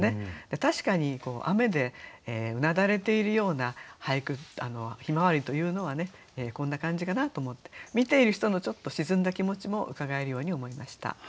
確かに雨でうなだれているような向日葵というのはこんな感じかなと思って見ている人のちょっと沈んだ気持ちもうかがえるように思いました。